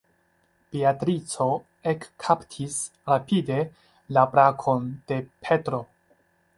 Beatrico ekkaptis rapide la brakon de Petro.